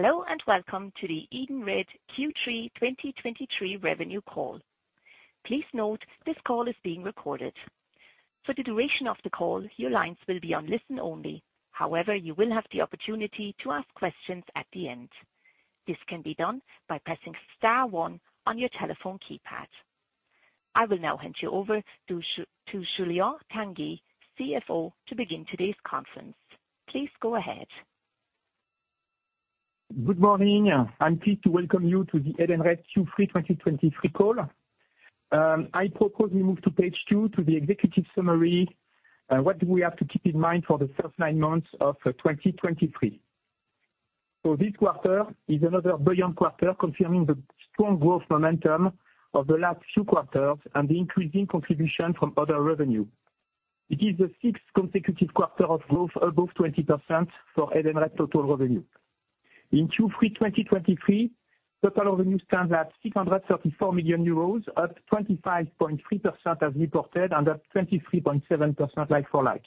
Hello, and welcome to the Edenred Q3 2023 revenue call. Please note, this call is being recorded. For the duration of the call, your lines will be on listen only. However, you will have the opportunity to ask questions at the end. This can be done by pressing star one on your telephone keypad. I will now hand you over to Julien Tanguy, CFO, to begin today's conference. Please go ahead. Good morning. I'm pleased to welcome you to the Edenred Q3 2023 call. I propose we move to page two, to the executive summary. What do we have to keep in mind for the first nine months of 2023? This quarter is another brilliant quarter, confirming the strong growth momentum of the last few quarters and the increasing contribution from other revenue. It is the sixth consecutive quarter of growth above 20% for Edenred total revenue. In Q3 2023, total revenue stands at 634 million euros, up 25.3% as reported, and up 23.7% like-for-like.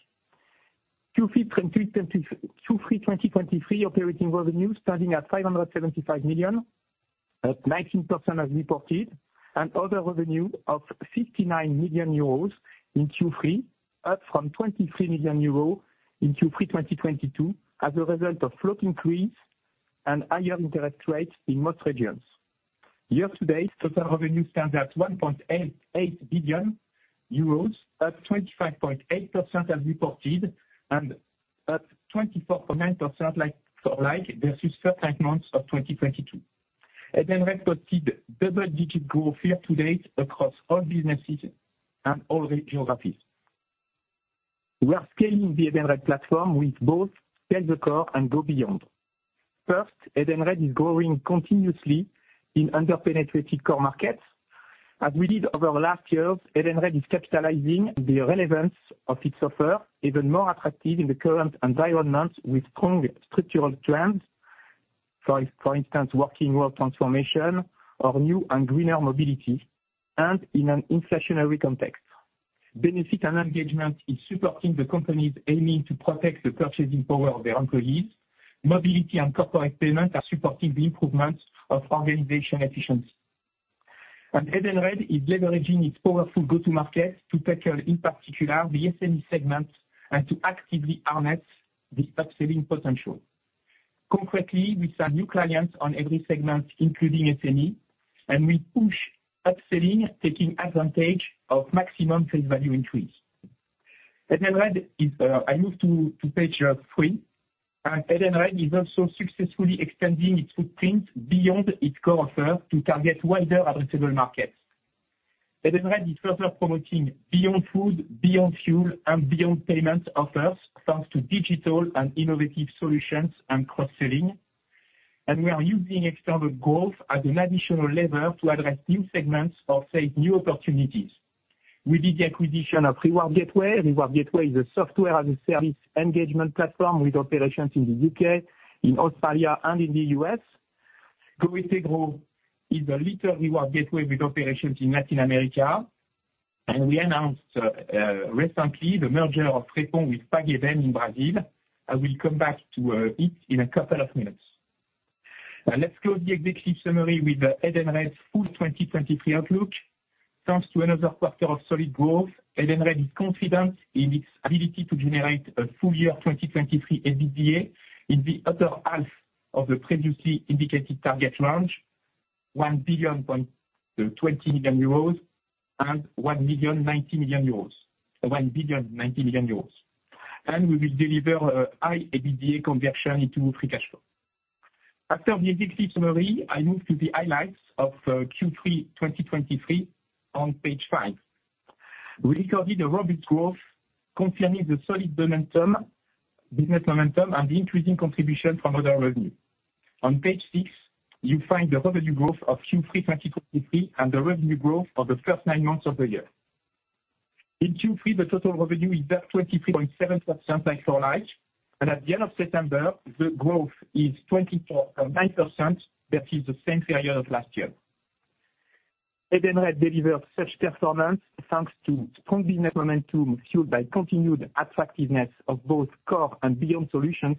Q3 2023, Q3 2023 operating revenue standing at 575 million, at 19% as reported, and other revenue of 59 million euros in Q3, up from 23 million euros in Q3 2022, as a result of float increase and higher interest rates in most regions. Year to date, total revenue stands at 1.88 billion euros, up 25.8% as reported, and up 24.9% like-for-like, versus first nine months of 2022. Edenred posted double-digit growth year-to-date across all businesses and all the geographies. We are scaling the Edenred platform with both Scale the Core and Go Beyond. First, Edenred is growing continuously in under-penetrated core markets. As we did over the last years, Edenred is capitalizing the relevance of its offer, even more attractive in the current environment, with strong structural trends. For instance, working world transformation or new and greener mobility, and in an inflationary context. Benefit & Engagement is supporting the companies aiming to protect the purchasing power of their employees. Mobility and corporate payments are supporting the improvements of organization efficiency. Edenred is leveraging its powerful go-to-market to tackle, in particular, the SME segment, and to actively harness the upselling potential. Concretely, we sign new clients on every segment, including SME, and we push upselling, taking advantage of maximum face value increase. Edenred is, I move to page three. Edenred is also successfully extending its footprint beyond its core offer to target wider addressable markets. Edenred is further promoting Beyond Food, Beyond Fuel, and Beyond Payment offers, thanks to digital and innovative solutions and cross-selling. We are using external growth as an additional lever to address new segments or take new opportunities. We did the acquisition of Reward Gateway. Reward Gateway is a software-as-a-service engagement platform with operations in the U.K., in Australia, and in the U.S.. GOintegro is a LatAm Reward Gateway with operations in Latin America, and we announced recently the merger of Repom with PagBem in Brazil. I will come back to it in a couple of minutes. Let's close the executive summary with Edenred's full 2023 outlook. Thanks to another quarter of solid growth, Edenred is confident in its ability to generate a full year 2023 EBITDA in the upper half of the previously indicated target range, 1.02 billion and 1.09 billion euros. And we will deliver a high EBITDA conversion into free cash flow. After the executive summary, I move to the highlights of Q3 2023 on page 5. We recorded a robust growth, confirming the solid momentum, business momentum, and the increasing contribution from other revenue. On page six, you find the revenue growth of Q3 2023, and the revenue growth for the first 9 months of the year. In Q3, the total revenue is up 23.7% like-for-like, and at the end of September, the growth is 24.9%, that is the same period of last year. Edenred delivered such performance, thanks to strong business momentum, fueled by continued attractiveness of both core and beyond solutions.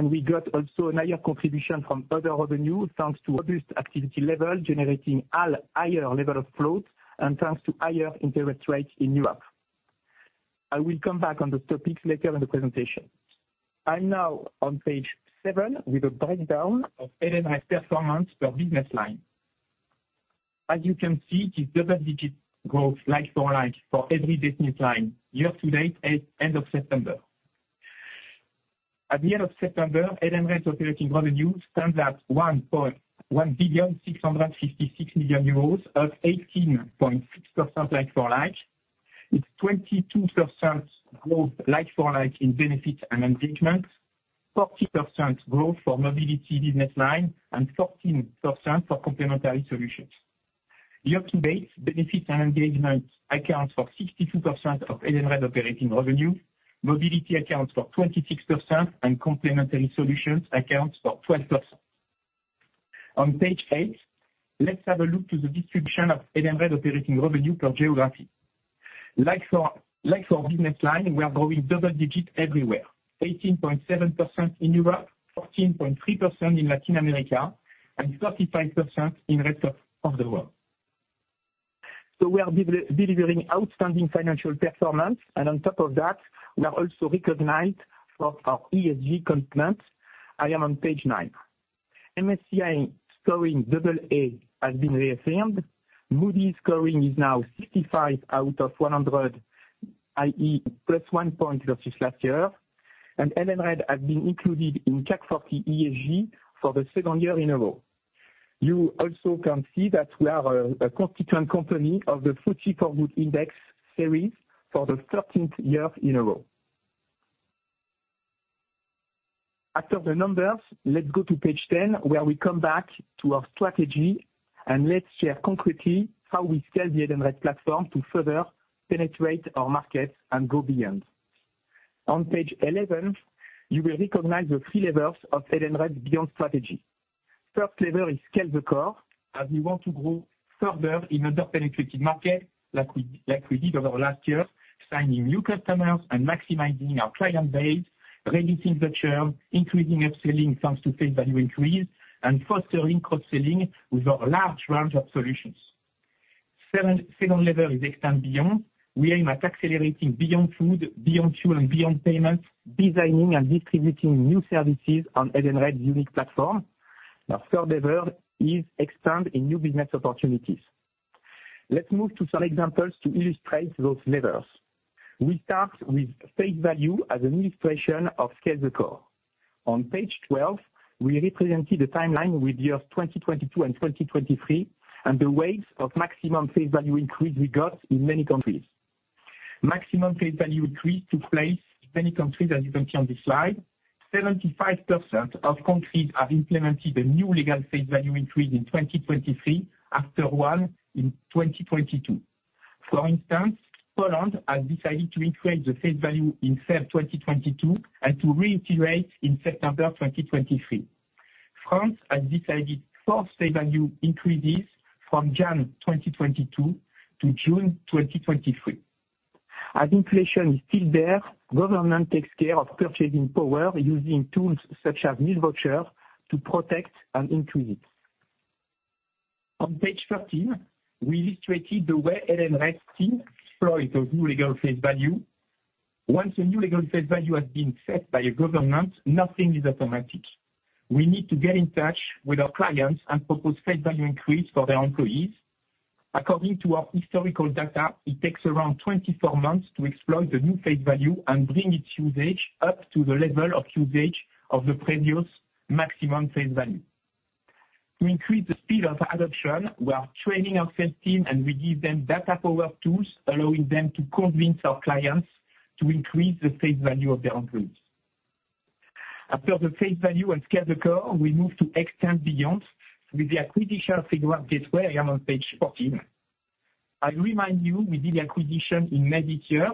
We got also a higher contribution from other revenue, thanks to robust activity level, generating a higher level of growth and thanks to higher interest rates in Europe. I will come back on the topics later in the presentation. I'm now on page seven, with a breakdown of Edenred performance per business line. As you can see, it's double digits growth, like-for-like, for every business line, year-to-date, at end of September. At the end of September, Edenred's operating revenue stands at EUR 1.156 billion, up 18.6% like-for-like. It's 22% growth like-for-like in Benefits & Engagement, 40% growth for mobility business line, and 14% for Complementary Solutions. Year-to-date, Benefits & Engagement accounts for 62% of Edenred operating revenue, mobility accounts for 26%, and Complementary Solutions accounts for 12%.... On page eight, let's have a look to the distribution of Edenred operating revenue per geography. Like our business line, we are growing double digits everywhere. 18.7% in Europe, 14.3% in Latin America, and 35% in rest of the world. So we are delivering outstanding financial performance, and on top of that, we are also recognized for our ESG commitment. I am on page nine. MSCI scoring double A has been reaffirmed. Moody's scoring is now 65 out of 100, i.e., +1 point versus last year, and Edenred has been included in CAC 40 ESG for the second year in a row. You also can see that we are a constituent company of the FTSE4Good Index Series for the 13th year in a row. After the numbers, let's go to page 10, where we come back to our strategy, and let's share concretely how we scale the Edenred platform to further penetrate our markets and Go Beyond. On page eleven, you will recognize the three levels of Edenred Beyond strategy. First level is Scale the Core, as we want to grow further in under-penetrated markets, like we did over last year, signing new customers and maximizing our client base, reducing the churn, increasing upselling thanks to face value increase, and fostering cross-selling with our large range of solutions. Second level is Extend Beyond. We aim at accelerating Beyond Food, Beyond Fuel, and Beyond Payments, designing and distributing new services on Edenred's unique platform. Our third level is expand in new business opportunities. Let's move to some examples to illustrate those levels. We start with face value as an illustration of Scale the Core. On page 12, we represented the timeline with years 2022 and 2023, and the waves of maximum face value increase we got in many countries. Maximum face value increased took place in many countries, as you can see on this slide. 75% of countries have implemented a new legal face value increase in 2023, after one in 2022. For instance, Poland has decided to increase the face value in February 2022 and to reiterate in September 2023. France has decided 4 face value increases from January 2022 to June 2023. As inflation is still there, government takes care of purchasing power using tools such as meal voucher to protect and increase it. On page 13, we illustrated the way Edenred team exploit those new legal face value. Once a new legal face value has been set by a government, nothing is automatic. We need to get in touch with our clients and propose face value increase for their employees. According to our historical data, it takes around 24 months to explore the new face value and bring its usage up to the level of usage of the previous maximum face value. To increase the speed of adoption, we are training our sales team, and we give them data-powered tools, allowing them to convince our clients to increase the face value of their employees. After the face value and Scale the Core, we move to Extend Beyond with the acquisition of Reward Gateway. I am on page 14. I remind you, we did the acquisition in May this year.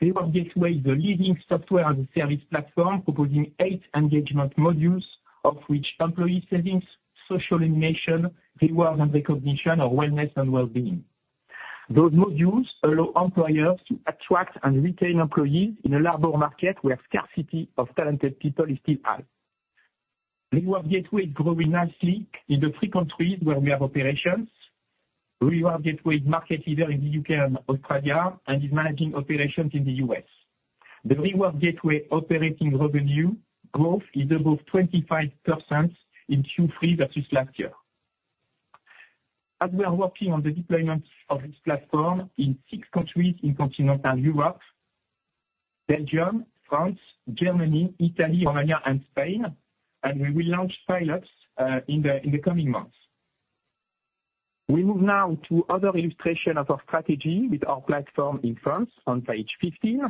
Reward Gateway is the leading software and service platform, proposing 8 engagement modules, of which employee savings, social animation, reward and recognition, or wellness and well-being. Those modules allow employers to attract and retain employees in a labor market where scarcity of talented people is still high. Reward Gateway is growing nicely in the three countries where we have operations. Reward Gateway is market leader in the U.K. and Australia and is managing operations in the U.S.. The Reward Gateway operating revenue growth is above 25% in Q3 versus last year. We are working on the deployment of this platform in six countries in continental Europe: Belgium, France, Germany, Italy, Romania, and Spain, and we will launch pilots in the coming months. We move now to other illustration of our strategy with our platform in France on page 15.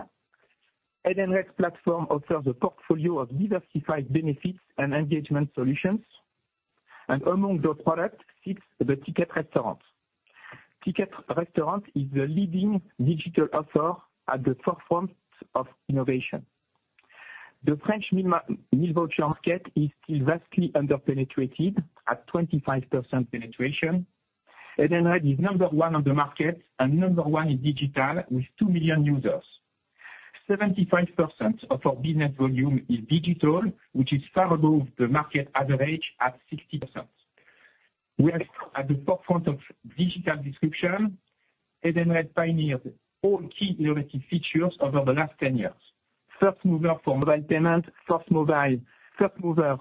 Edenred's platform offers a portfolio of diversified Benefits & Engagement solutions, and among those products sits the Ticket Restaurant. Ticket Restaurant is the leading digital authority at the forefront of innovation. The French meal voucher market is still vastly under-penetrated at 25% penetration. Edenred is number one on the market and number one in digital with 2 million users. 75% of our business volume is digital, which is far above the market average at 60%. We are at the forefront of digital disruption. Edenred pioneered all key innovative features over the last 10 years. First mover for mobile payment, first mobile, first mover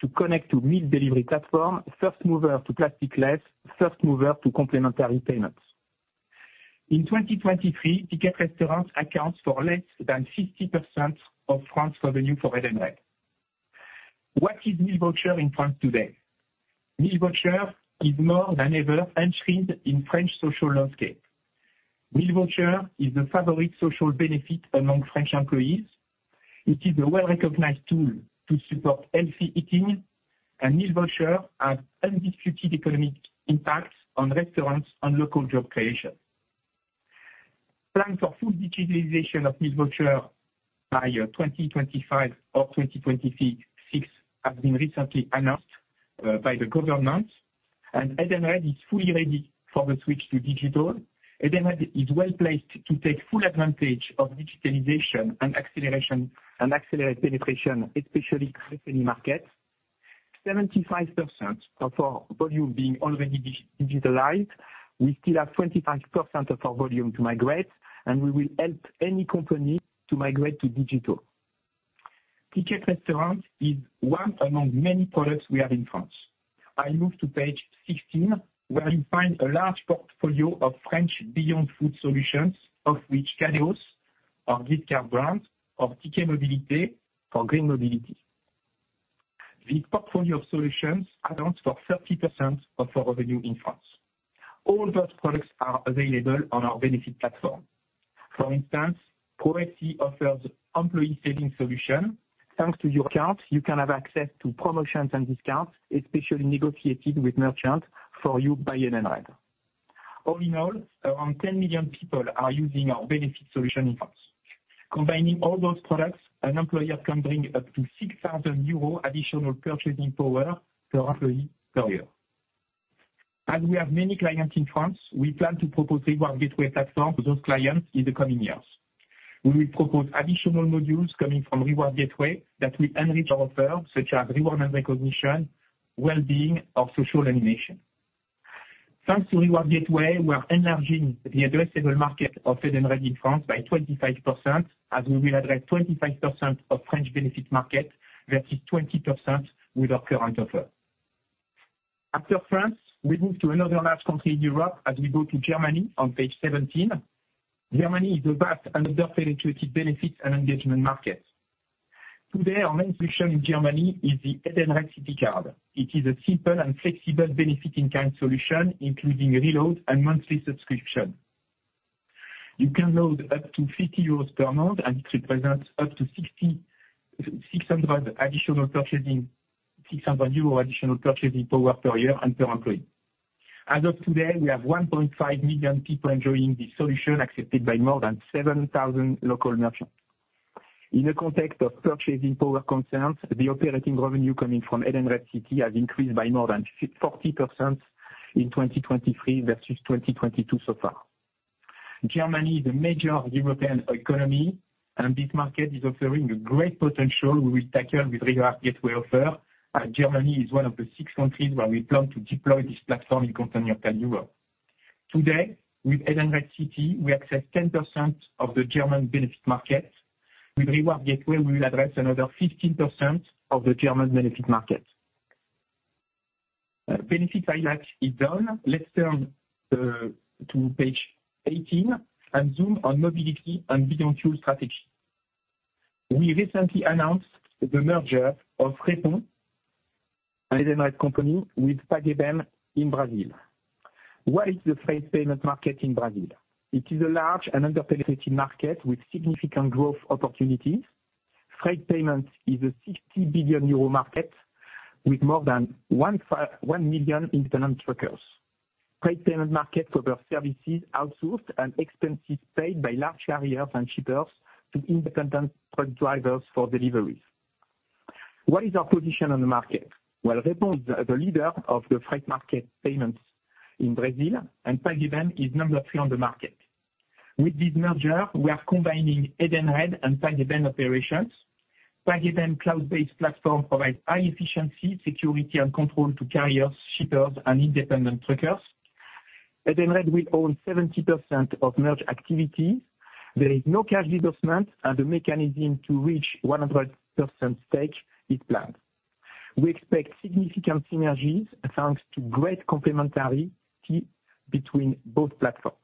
to connect to meal delivery platform, first mover to plastic-less, first mover to complementary payments. In 2023, Ticket Restaurant accounts for less than 60% of France revenue for Edenred. What is meal voucher in France today? Meal voucher is more than ever entrenched in French social landscape. Meal voucher is the favorite social benefit among French employees. It is a well-recognized tool to support healthy eating, and meal voucher has undisputed economic impact on restaurants and local job creation. Plan for full digitalization of meal voucher by 2025 or 2026 has been recently announced by the government, and Edenred is fully ready for the switch to digital. Edenred is well-placed to take full advantage of digitalization and acceleration, and accelerate penetration, especially company markets. 75% of our volume being already digitalized, we still have 25% of our volume to migrate, and we will help any company to migrate to digital. Ticket Restaurant is one among many products we have in France. I move to page 16, where you find a large portfolio of French Beyond Food solutions, of which Kadéos, our gift card brand, or Ticket Mobilité for green mobility. The portfolio of solutions accounts for 30% of our revenue in France. All those products are available on our benefit platform. For instance, ProwebCE offers employee savings solution. Thanks to your account, you can have access to promotions and discounts, especially negotiated with merchants for you by Edenred. All in all, around 10 million people are using our benefit solution in France. Combining all those products, an employer can bring up to 6,000 euro additional purchasing power per employee, per year. As we have many clients in France, we plan to propose Reward Gateway platform to those clients in the coming years. We will propose additional modules coming from Reward Gateway that will enrich our offer, such as reward and recognition, well-being, or social animation. Thanks to Reward Gateway, we are enlarging the addressable market of Edenred in France by 25%, as we will address 25% of French benefit market, versus 20% with our current offer. After France, we move to another large country in Europe as we go to Germany on page 17. Germany is the best underpenetrated benefits and engagement market. Today, our main solution in Germany is the Edenred City Card. It is a simple and flexible benefit-in-kind solution, including reload and monthly subscription. You can load up to 50 euros per month, and it represents up to 600 EUR additional purchasing power per year and per employee. As of today, we have 1.5 million people enjoying this solution, accepted by more than 7,000 local merchants. In the context of purchasing power concerns, the operating revenue coming from Edenred City Card has increased by more than 40% in 2023 versus 2022 so far. Germany is a major European economy, and this market is offering a great potential we will tackle with Reward Gateway offer, and Germany is one of the six countries where we plan to deploy this platform in continental Europe. Today, with Edenred City, we access 10% of the German benefit market. With Reward Gateway, we will address another 15% of the German benefit market. Benefit highlight is done. Let's turn to page 18 and zoom on mobility and beyond two strategy. We recently announced the merger of Repom, an Edenred company, with PagBem in Brazil. What is the freight payment market in Brazil? It is a large and underpenetrated market with significant growth opportunities. Freight payment is a 60 billion euro market with more than 1 million independent truckers. Freight payment market for their services, outsourced and expenses paid by large carriers and shippers to independent truck drivers for deliveries. What is our position on the market? Well, Repom is the leader of the freight market payments in Brazil, and PagBem is number three on the market. With this merger, we are combining Edenred and PagBem operations. PagBem cloud-based platform provides high efficiency, security, and control to carriers, shippers, and independent truckers. Edenred will own 70% of merge activity. There is no cash investment, and the mechanism to reach 100% stake is planned. We expect significant synergies, thanks to great complementarity between both platforms.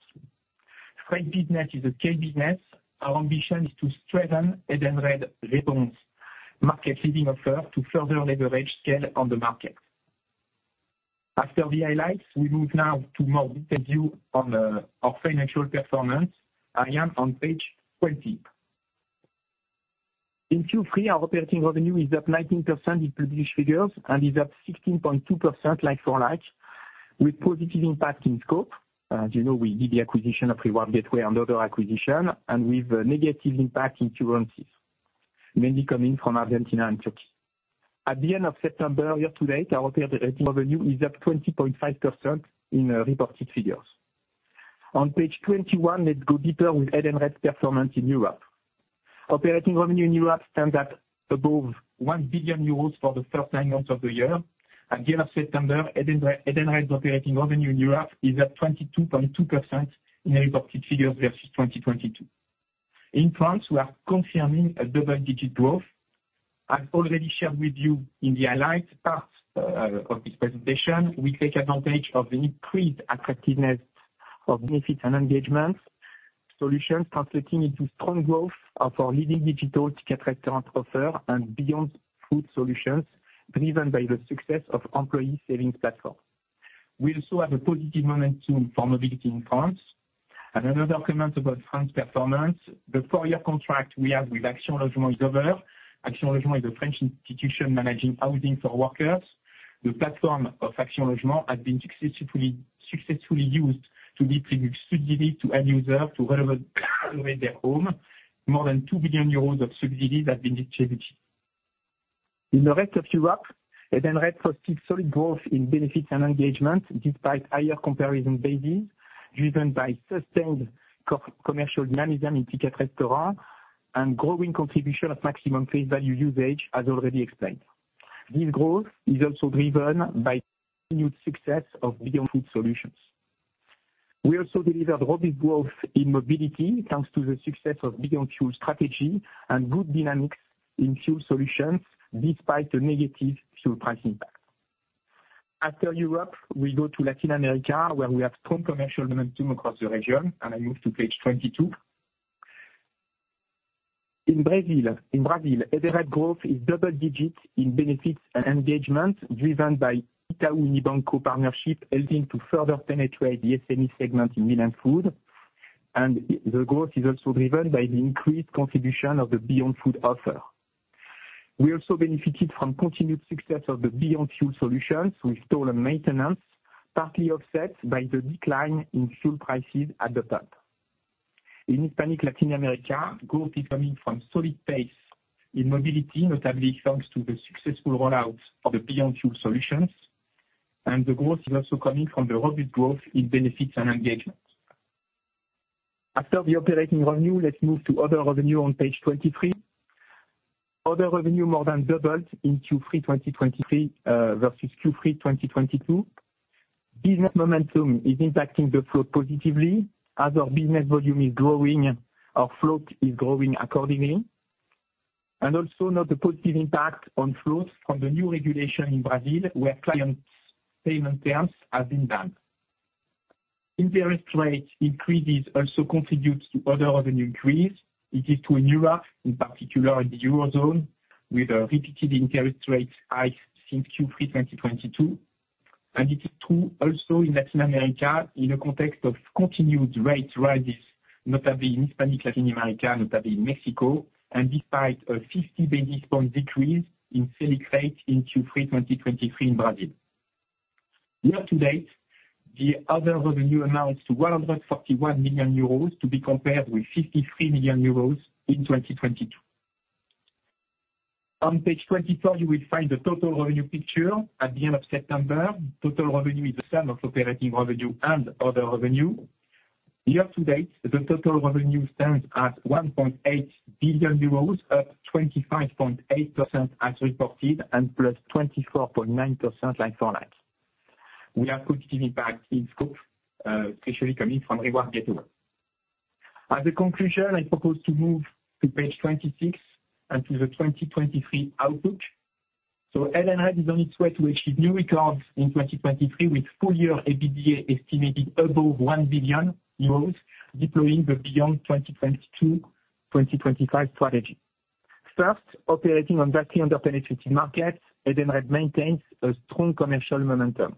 Freight business is a scale business. Our ambition is to strengthen Edenred Repom's market-leading offer to further leverage scale on the market. After the highlights, we move now to more detailed view on our financial performance. I am on page 20. In Q3, our operating revenue is up 19% in published figures, and is up 16.2% like-for-like, with positive impact in scope. As you know, we did the acquisition of Reward Gateway and other acquisition, and with a negative impact in currencies, mainly coming from Argentina and Turkey. At the end of September, year to date, our operating revenue is up 20.5% in reported figures. On page 21, let's go deeper with Edenred's performance in Europe. Operating revenue in Europe stands at above 1 billion euros for the first nine months of the year. At the end of September, Edenred's operating revenue in Europe is at 22.2% in reported figures versus 2022. In France, we are confirming a double-digit growth. I've already shared with you in the highlights part of this presentation, we take advantage of the increased attractiveness of benefits and engagements solutions translating into strong growth of our leading digital Ticket Restaurant offer and Beyond Food solutions, driven by the success of employee savings platform. We also have a positive momentum for mobility in France. Another comment about France performance, the four-year contract we have with Action Logement is over. Action Logement is a French institution managing housing for workers. The platform of Action Logement has been successfully used to deliver subsidy to end user to renovate their home. More than 2 billion euros of subsidies have been distributed. In the rest of Europe, Edenred posted solid growth in benefits and engagement, despite higher comparison basis, driven by sustained co-commercial dynamism in Ticket Restaurant, and growing contribution of maximum face value usage, as already explained. This growth is also driven by continued success of Beyond Food solutions. We also delivered rapid growth in mobility, thanks to the success of Beyond Fuel strategy, and good dynamics in fuel solutions, despite the negative fuel price impact. After Europe, we go to Latin America, where we have strong commercial momentum across the region, and I move to page 22. In Brazil, Edenred growth is double digits in benefits and engagement, driven by Itaú Unibanco partnership, helping to further penetrate the SME segment in meal and food. And the growth is also driven by the increased contribution of the Beyond Food offer. We also benefited from continued success of the Fuel Beyond solutions with store and maintenance, partly offset by the decline in fuel prices at the top. In Hispanic Latin America, growth is coming from solid pace in mobility, notably thanks to the successful roll out of the Fuel Beyond solutions. And the growth is also coming from the rapid growth in benefits and engagement. After the operating revenue, let's move to other revenue on page 23. Other revenue more than doubled in Q3 2023 versus Q3 2022. Business momentum is impacting the flow positively. As our business volume is growing, our float is growing accordingly. And also note the positive impact on floats from the new regulation in Brazil, where clients' payment terms have been banned. Interest rate increases also contributes to other revenue increase. It is to Europe, in particular in the Euro zone, with a repeated interest rate hike since Q3 2022, and it is true also in Latin America, in a context of continued rate rises, notably in Hispanic Latin America, notably in Mexico, and despite a 50 basis point decrease in Selic rate in Q3 2023 in Brazil. Year to date, the other revenue amounts to 141 million euros, to be compared with 53 million euros in 2022. On page 24, you will find the total revenue picture. At the end of September, total revenue is the sum of operating revenue and other revenue. Year to date, the total revenue stands at 1.8 billion euros, up 25.8% as reported, and plus 24.9% like-for-like. We have good impact in scope, especially coming from Reward Gateway. As a conclusion, I propose to move to page 26, and to the 2023 outlook. So Edenred is on its way to achieve new records in 2023, with full year EBITDA estimated above 1 billion euros, deploying the Beyond 22-25 strategy. First, operating on vastly under-penetrated markets, Edenred maintains a strong commercial momentum.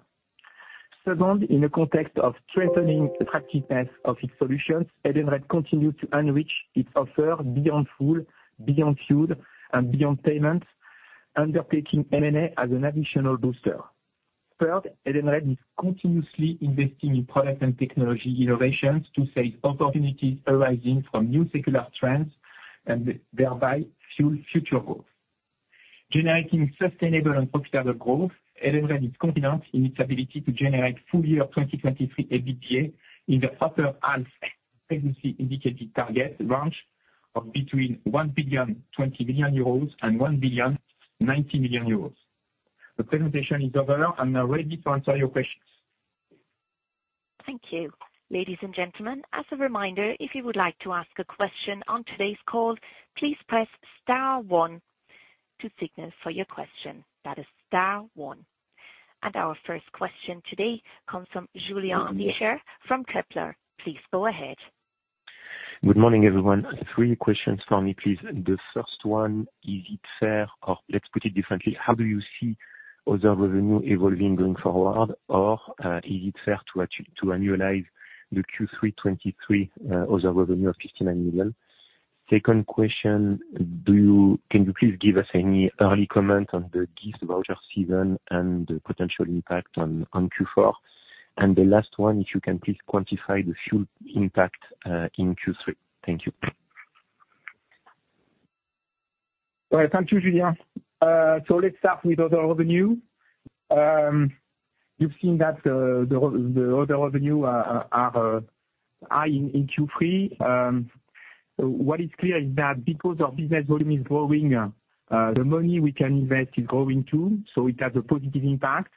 Second, in a context of strengthening attractiveness of its solutions, Edenred continues to enrich its offer Beyond Food, Beyond Fuel, and Beyond Payments, undertaking M&A as an additional booster. Third, Edenred is continuously investing in product and technology innovations to seize opportunities arising from new secular trends, and thereby fuel future growth. Generating sustainable and profitable growth, Edenred is confident in its ability to generate full year 2023 EBITDA in the upper half previously indicated target range of between 1.02 billion and 1.09 billion. The presentation is over. I'm now ready to answer your questions. Thank you. Ladies and gentlemen, as a reminder, if you would like to ask a question on today's call, please press star one to signal for your question. That is star one. Our first question today comes from Julien Richer from Kepler. Please go ahead. Good morning, everyone. Three questions for me, please. The first one, is it fair, or let's put it differently: how do you see other revenue evolving going forward? Or, is it fair to annualize the Q3 2023 other revenue of 15 million? Second question, can you please give us any early comment on the gift voucher season and the potential impact on Q4? And the last one, if you can please quantify the fuel impact in Q3. Thank you. Thank you, Julien. So let's start with other revenue. You've seen that the other revenue are high in Q3. What is clear is that because our business volume is growing, the money we can invest is growing, too, so it has a positive impact.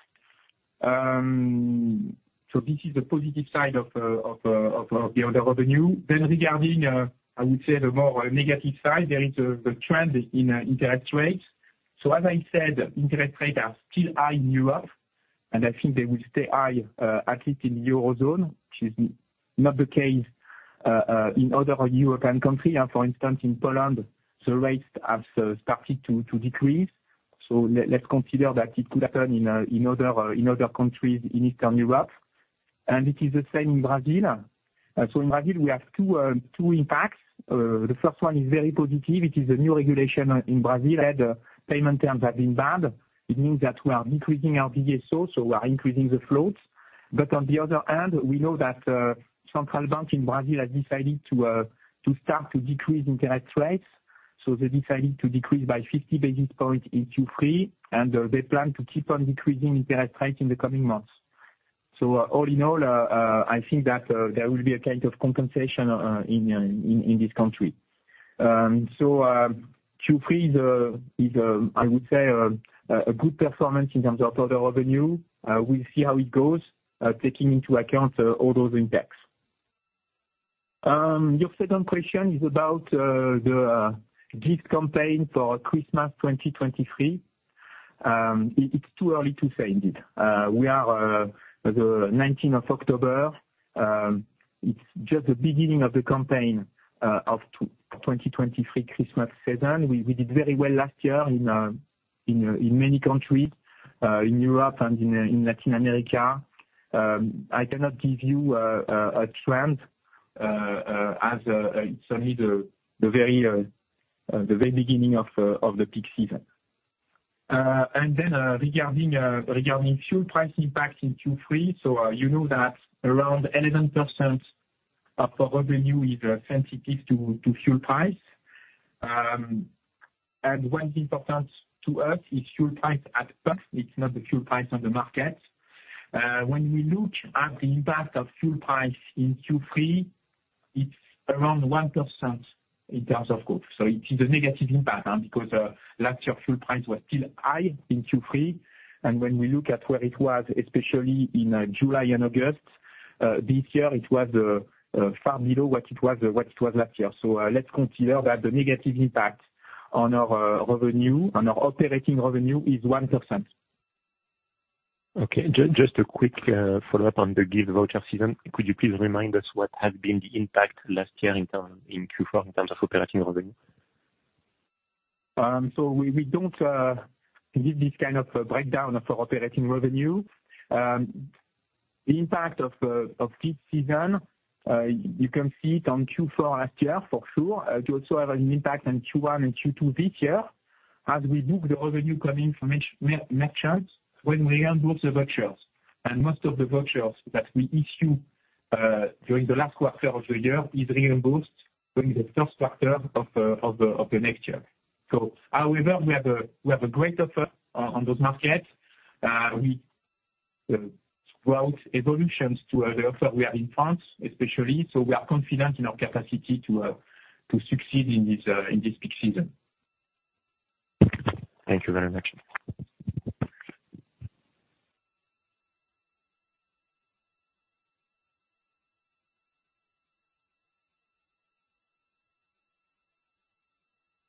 So this is the positive side of the other revenue. Then regarding, I would say, the more negative side, there is the trend in interest rates. So as I said, interest rates are still high in Europe, and I think they will stay high, at least in the Euro zone, which is not the case in other European country. And for instance, in Poland, the rates have started to decrease. So let's consider that it could happen in other countries in Eastern Europe. And it is the same in Brazil. So in Brazil, we have two impacts. The first one is very positive. It is a new regulation in Brazil, and payment terms have been banned. It means that we are decreasing our DSO, so we are increasing the floats. But on the other hand, we know that Central Bank in Brazil has decided to start to decrease interest rates. So they decided to decrease by 50 basis points in Q3, and they plan to keep on decreasing interest rates in the coming months. So, all in all, I think that there will be a kind of compensation in this country. So, Q3 is, I would say, a good performance in terms of total revenue. We'll see how it goes, taking into account all those impacts. Your second question is about the gift campaign for Christmas 2023. It's too early to say it. We are the nineteenth of October, it's just the beginning of the campaign, of 2023 Christmas season. We did very well last year in many countries, in Europe and in Latin America. I cannot give you a trend, as it's only the very beginning of the peak season. Regarding fuel price impacts in Q3, so, you know that around 11% of the revenue is sensitive to fuel price. And what's important to us is fuel price at pump, it's not the fuel price on the market. When we look at the impact of fuel price in Q3, it's around 1% in terms of growth. So it is a negative impact, because last year, fuel price was still high in Q3. And when we look at where it was, especially in July and August, this year, it was far below what it was last year. So, let's consider that the negative impact on our revenue, on our operating revenue is 1%. Okay. Just a quick follow-up on the gift voucher season. Could you please remind us what has been the impact last year in Q4, in terms of operating revenue? So we don't give this kind of a breakdown of our operating revenue. The impact of gift season you can see it on Q4 last year, for sure. It also have an impact on Q1 and Q2 this year, as we book the revenue coming from merchants, when we reimburse the vouchers. And most of the vouchers that we issue during the last quarter of the year is reimbursed during the first quarter of the next year. So however, we have a great offer on those markets. We brought evolutions to the offer we have in France, especially, so we are confident in our capacity to succeed in this peak season. Thank you very much.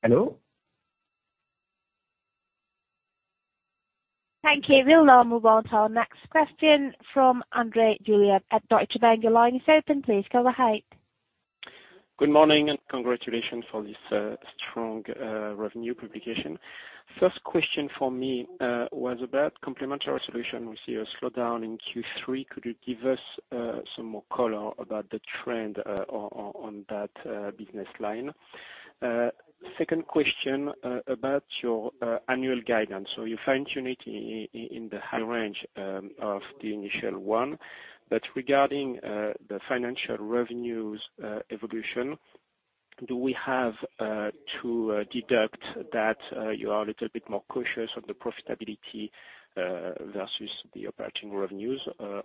Hello? Thank you. We'll now move on to our next question from André Juillard at Deutsche Bank. Your line is open, please go ahead. Good morning, and congratulations for this strong revenue publication. First question from me was about Complementary Solutions. We see a slowdown in Q3. Could you give us some more color about the trend on that business line? Second question about your annual guidance. So you find yourself in the high range of the initial one, but regarding the financial revenues evolution, do we have to deduct that you are a little bit more cautious of the profitability versus the operating revenues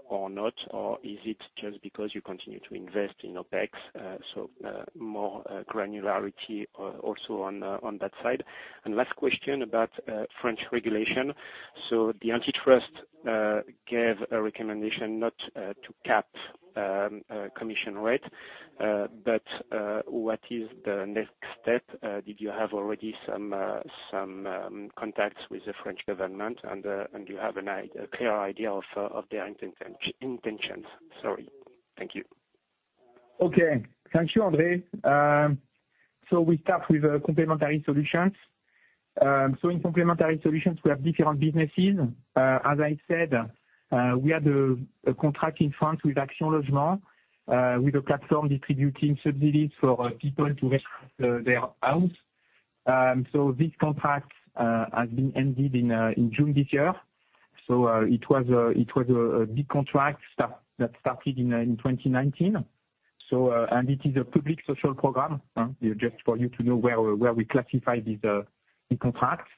or not? Or is it just because you continue to invest in CapEx? So more granularity also on that side. And last question about French regulation. The antitrust gave a recommendation not to cap commission rate, but what is the next step? Did you have already some contacts with the French government, and you have a clear idea of their intentions? Sorry. Thank you. Okay. Thank you, André. So we start with Complementary Solutions. So in Complementary Solutions, we have different businesses. As I said, we had a contract in France with Action Logement, with a platform distributing subsidies for people to retrofit their house. So this contract has been ended in June this year. So it was a big contract that started in 2019. And it is a public social program, just for you to know where we classify these contracts.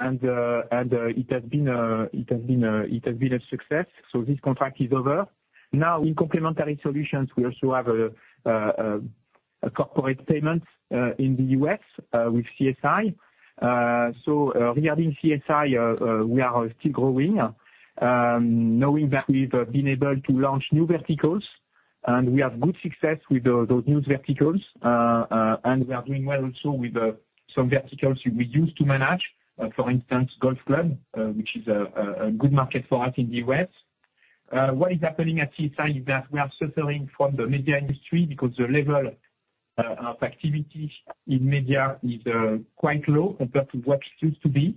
And it has been a success, so this contract is over. Now, in Complementary Solutions, we also have a corporate payment in the U.S. with CSI. So, regarding CSI, we are still growing, knowing that we've been able to launch new verticals, and we have good success with those new verticals. And we are doing well also with some verticals we used to manage. For instance, Golf Club, which is a good market for us in the U.S. What is happening at CSI is that we are suffering from the media industry, because the level of activity in media is quite low compared to what it used to be.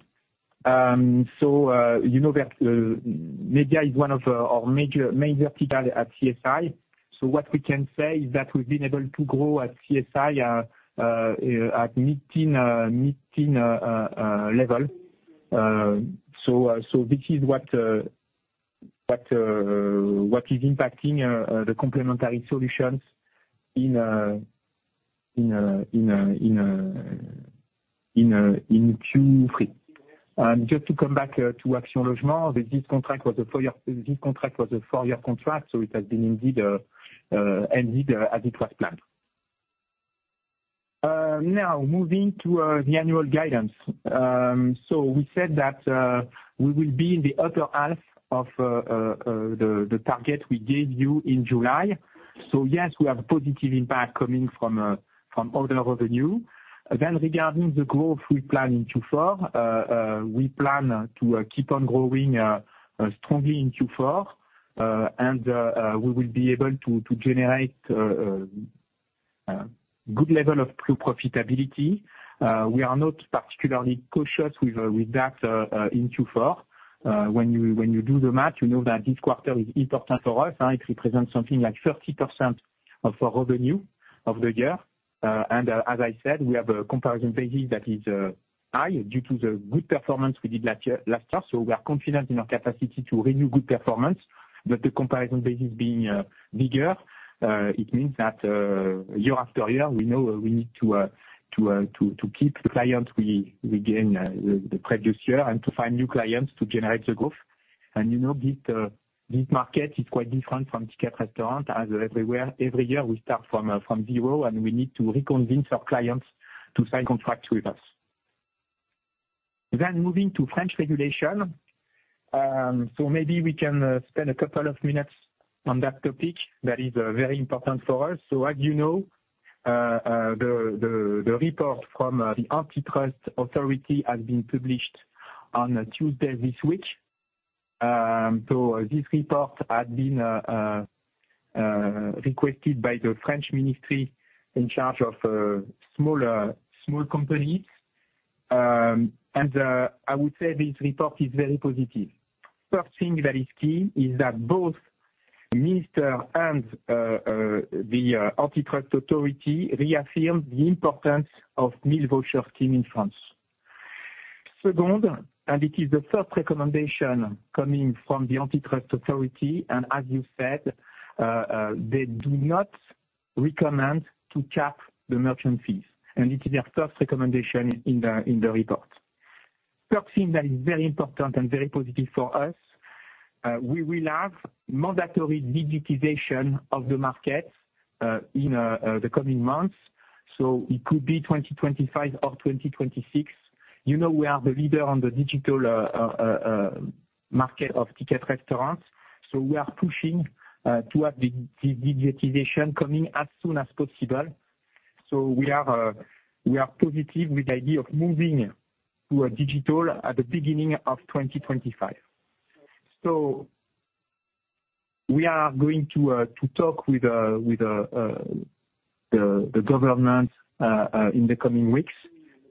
So, you know that media is one of our major vertical at CSI. So what we can say is that we've been able to grow at CSI at mid-teen level. So this is what is impacting the Complementary Solutions in Q3. And just to come back to Action Logement, this contract was a four-year contract, so it has been indeed ended as it was planned. Now, moving to the annual guidance. So we said that we will be in the upper half of the target we gave you in July. So yes, we have a positive impact coming from other revenue. Then regarding the growth we plan in Q4, we plan to keep on growing strongly in Q4. And we will be able to generate good level of true profitability. We are not particularly cautious with that in Q4. When you do the math, you know that this quarter is important for us, it represents something like 30% of our revenue of the year. As I said, we have a comparison basis that is high due to the good performance we did last year - last year. So we are confident in our capacity to renew good performance. But the comparison basis being bigger, it means that year after year, we know we need to keep the client we gain the previous year, and to find new clients to generate the growth. You know, this market is quite different from Ticket Restaurant, as everywhere, every year, we start from zero, and we need to reconvince our clients to sign contracts with us. Then moving to French regulation. So maybe we can spend a couple of minutes on that topic. That is very important for us. So, as you know, the report from the Antitrust Authority has been published on Tuesday this week. So this report had been requested by the French ministry in charge of small companies. And I would say this report is very positive. First thing that is key is that both the minister and the Antitrust Authority reaffirmed the importance of meal voucher scheme in France. Second, it is the first recommendation coming from the Antitrust Authority, and as you said, they do not recommend to cap the merchant fees, and it is their first recommendation in the report. Third thing that is very important and very positive for us, we will have mandatory digitization of the market in the coming months, so it could be 2025 or 2026. You know, we are the leader on the digital market of Ticket Restaurant, so we are pushing to have the digitization coming as soon as possible. So we are positive with the idea of moving to a digital at the beginning of 2025. So we are going to talk with the government in the coming weeks,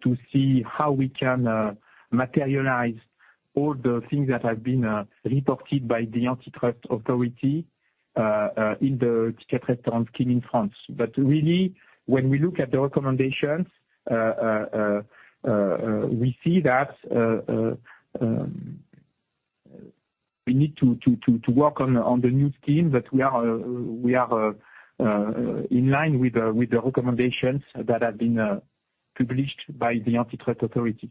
to see how we can materialize all the things that have been reported by the Antitrust Authority in the Ticket Restaurant scheme in France. But really, when we look at the recommendations, we see that we need to work on the new scheme, but we are in line with the recommendations that have been published by the Antitrust Authority.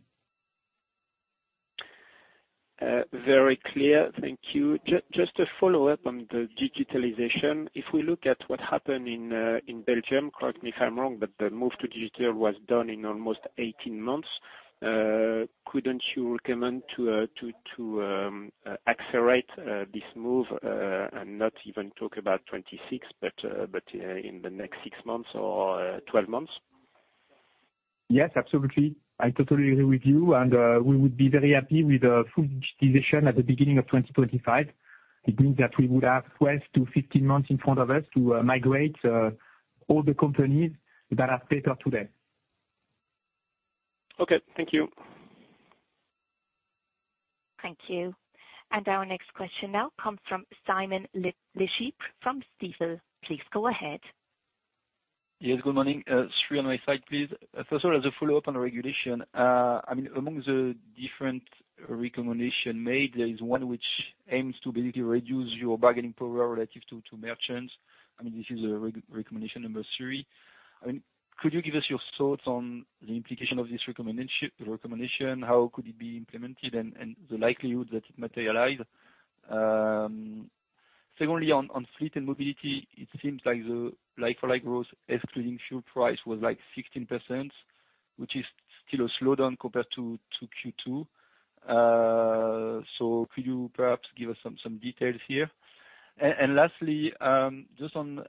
Very clear. Thank you. Just a follow-up on the digitalization. If we look at what happened in Belgium, correct me if I'm wrong, but the move to digital was done in almost 18 months. Couldn't you recommend to accelerate this move, and not even talk about 2026, but in the next 6 months or 12 months? Yes, absolutely. I totally agree with you, and we would be very happy with full digitization at the beginning of 2025. It means that we would have 12-15 months in front of us to migrate all the companies that are paper today. Okay, thank you. Thank you. Our next question now comes from Simon LeChipre from Stifel. Please go ahead. Yes, good morning. Three on my side, please. First of all, as a follow-up on the regulation, I mean, among the different recommendation made, there is one which aims to basically reduce your bargaining power relative to merchants. I mean, this is a recommendation number 3. I mean, could you give us your thoughts on the implication of this recommendation, how could it be implemented, and the likelihood that it materialize? Secondly, on fleet and mobility, it seems like the like-for-like growth, excluding fuel price, was like 16%, which is still a slowdown compared to Q2. So could you perhaps give us some details here? And lastly, just on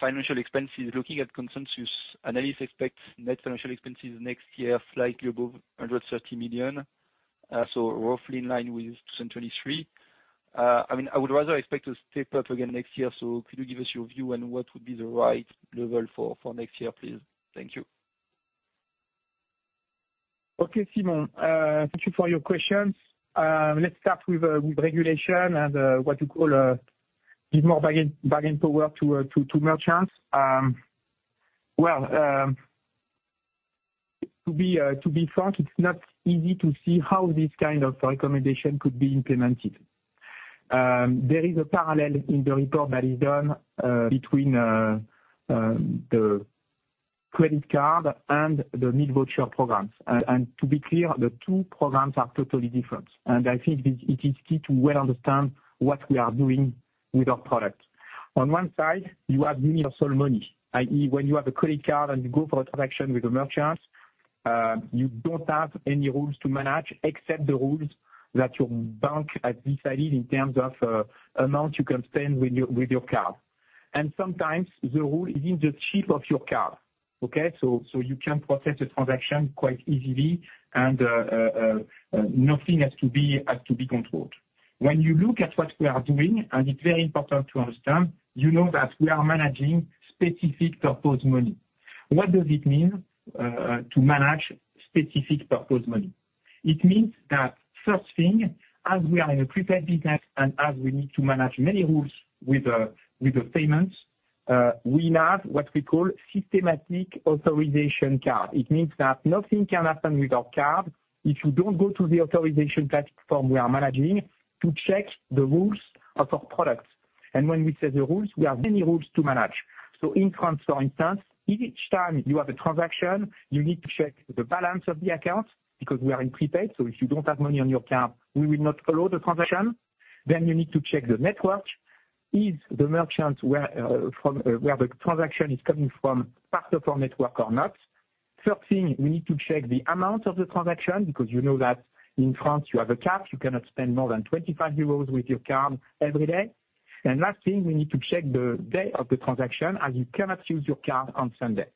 financial expenses, looking at consensus, analysts expect net financial expenses next year, slightly above 130 million, so roughly in line with 2023. I mean, I would rather expect to step up again next year, so could you give us your view on what would be the right level for next year, please? Thank you.... Okay, Simon, thank you for your questions. Let's start with regulation and what you call give more bargaining power to merchants. Well, to be frank, it's not easy to see how this kind of recommendation could be implemented. There is a parallel in the report that is done between the credit card and the meal voucher programs. And to be clear, the two programs are totally different, and I think it is key to well understand what we are doing with our product. On one side, you have universal money, i.e., when you have a credit card and you go for a transaction with the merchants, you don't have any rules to manage, except the rules that your bank has decided in terms of amount you can spend with your card. And sometimes the rule is in the chip of your card, okay? So you can process the transaction quite easily, and nothing has to be controlled. When you look at what we are doing, and it's very important to understand, you know that we are managing specific purpose money. What does it mean to manage specific purpose money? It means that first thing, as we are in a prepaid business and as we need to manage many rules with the, with the payments, we have what we call systematic authorization card. It means that nothing can happen with our card if you don't go to the authorization platform we are managing, to check the rules of our products. And when we say the rules, we have many rules to manage. So in France, for instance, each time you have a transaction, you need to check the balance of the account, because we are in prepaid, so if you don't have money on your card, we will not allow the transaction. Then you need to check the network. Is the merchant where from where the transaction is coming from, part of our network or not? Third thing, we need to check the amount of the transaction, because you know that in France, you have a cap, you cannot spend more than 25 euros with your card every day. Last thing, we need to check the day of the transaction, as you cannot use your card on Sunday.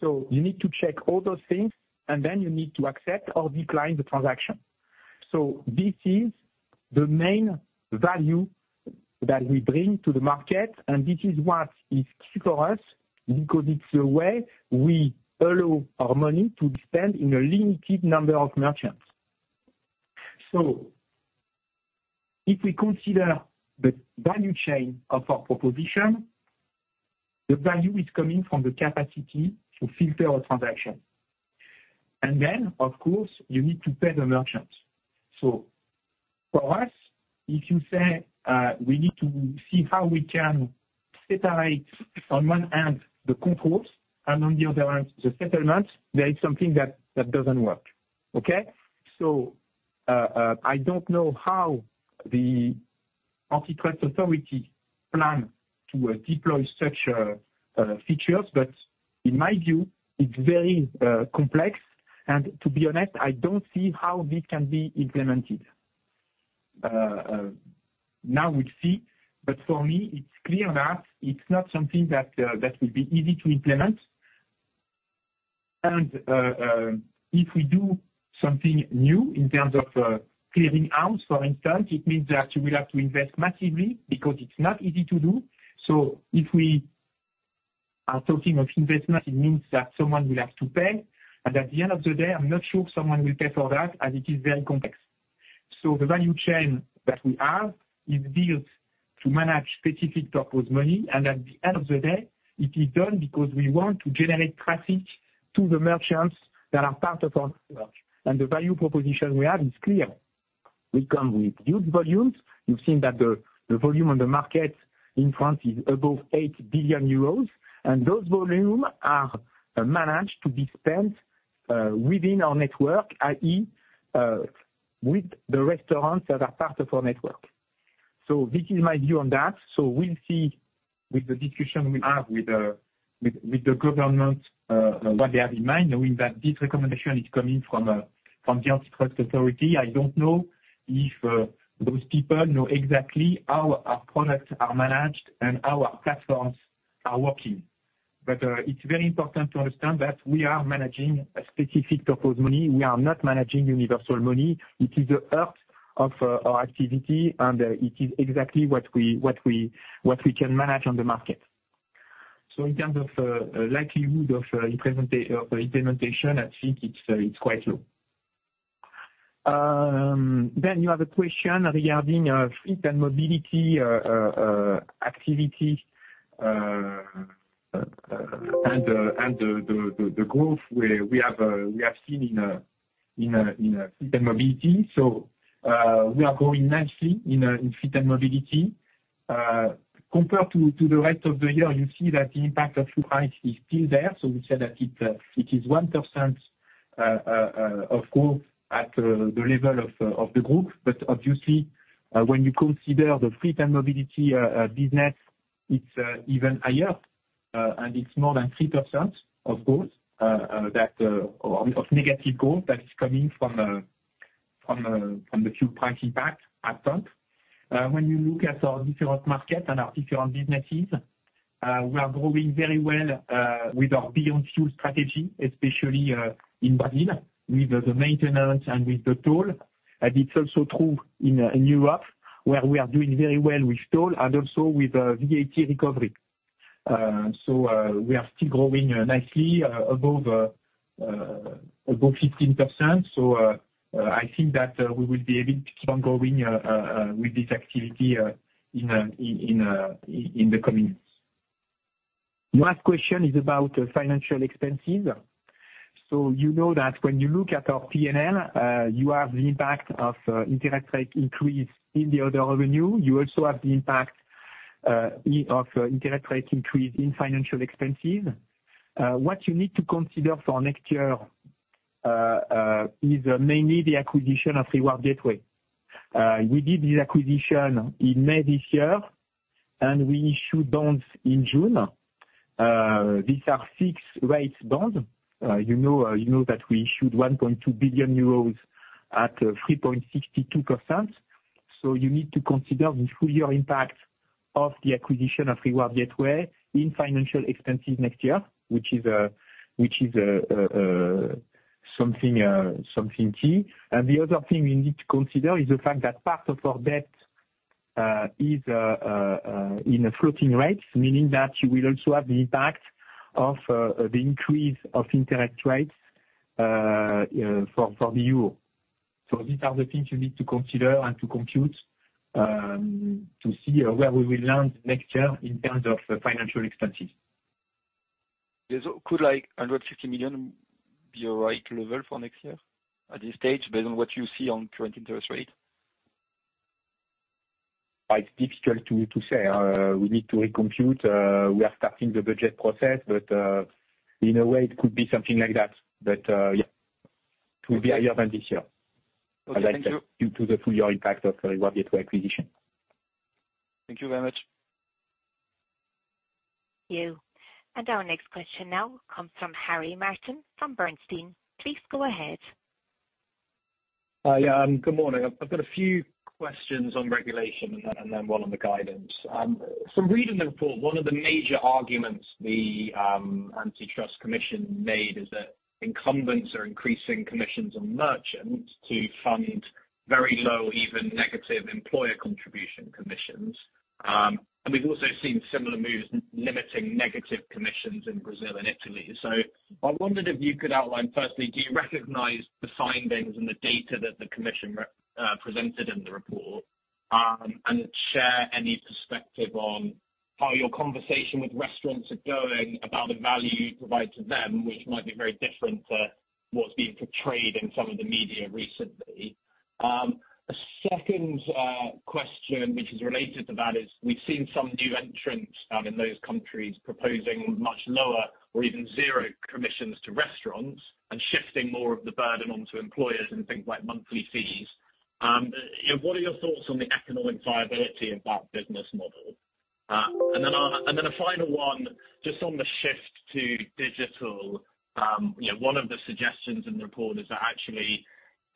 You need to check all those things, and then you need to accept or decline the transaction. This is the main value that we bring to the market, and this is what is key for us, because it's the way we allow our money to be spent in a limited number of merchants. If we consider the value chain of our proposition, the value is coming from the capacity to filter our transaction. Then, of course, you need to pay the merchants. So for us, if you say, we need to see how we can separate on one hand, the controls, and on the other hand, the settlements, there is something that doesn't work, okay? So, I don't know how the antitrust authority plan to deploy such features, but in my view, it's very complex, and to be honest, I don't see how this can be implemented. Now we'll see, but for me, it's clear that it's not something that will be easy to implement. And, if we do something new in terms of clearing house, for instance, it means that we'll have to invest massively, because it's not easy to do. So if we are talking of investment, it means that someone will have to pay, and at the end of the day, I'm not sure someone will pay for that, as it is very complex. So the value chain that we have is built to manage specific purpose money, and at the end of the day, it is done because we want to generate traffic to the merchants that are part of our work. And the value proposition we have is clear. We come with huge volumes. You've seen that the volume on the market in France is above 8 billion euros, and those volume are managed to be spent within our network, i.e., with the restaurants that are part of our network. So this is my view on that. So we'll see with the discussion we have with the government, what they have in mind, knowing that this recommendation is coming from, from the antitrust authority. I don't know if those people know exactly how our products are managed and how our platforms are working. But it's very important to understand that we are managing a specific purpose money. We are not managing universal money. It is the heart of our activity, and it is exactly what we can manage on the market. So in terms of likelihood of implementation, I think it's quite low. Then you have a question regarding fleet and mobility activity and the growth where we have seen in fleet and mobility. So, we are growing nicely in fleet and mobility. Compared to the rest of the year, you see that the impact of fuel price is still there, so we say that it is 1% of growth at the level of the group. But obviously, when you consider the fleet and mobility business, it's even higher, and it's more than 3% of growth that or of negative growth that is coming from the fuel price impact at front. When you look at our different markets and our different businesses, we are growing very well with our Beyond Fuel strategy, especially in Brazil, with the maintenance and with the toll. It's also true in Europe, where we are doing very well with toll and also with VAT recovery. So, we are still growing nicely above 15%. I think that we will be able to keep on going with this activity in the coming months. Last question is about financial expenses. You know that when you look at our P&L, you have the impact of interest rate increase in the other revenue. You also have the impact of interest rate increase in financial expenses. What you need to consider for next year is mainly the acquisition of Reward Gateway. We did this acquisition in May this year, and we issued bonds in June. These are fixed rate bond. You know that we issued 1.2 billion euros at 3.62%. So you need to consider the full year impact of the acquisition of Reward Gateway in financial expenses next year, which is something key. And the other thing you need to consider is the fact that part of our debt is in a floating rates, meaning that you will also have the impact of the increase of interest rates, you know, for the euro. These are the things you need to consider and to compute, to see where we will land next year in terms of financial expenses. Could, like, 150 million be a right level for next year at this stage, based on what you see on current interest rate? It's difficult to say. We need to recompute, we are starting the budget process, but, in a way, it could be something like that. But, yeah, it will be higher than this year. Okay, thank you. Due to the full year impact of the Reward Gateway acquisition. Thank you very much. Our next question now comes from Harry Martin, from Bernstein. Please go ahead. Hi, yeah, good morning. I've got a few questions on regulation and then one on the guidance. From reading the report, one of the major arguments the Antitrust Commission made is that incumbents are increasing commissions on merchants to fund very low, even negative employer contribution commissions. And we've also seen similar moves limiting negative commissions in Brazil and Italy. So I wondered if you could outline, firstly, do you recognize the findings and the data that the commission presented in the report? And share any perspective on how your conversation with restaurants are going about the value you provide to them, which might be very different to what's being portrayed in some of the media recently. A second question, which is related to that, is we've seen some new entrants out in those countries proposing much lower or even zero commissions to restaurants, and shifting more of the burden onto employers and things like monthly fees. You know, what are your thoughts on the economic viability of that business model? And then a final one, just on the shift to digital. You know, one of the suggestions in the report is that actually